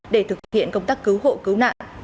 để thực hiện công tác cứu hộ cứu nạn